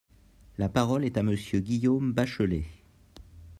La parole est à Monsieur Guillaume Bachelay.